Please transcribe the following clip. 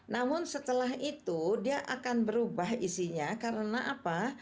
namun setelah itu dia akan berubah isinya karena apa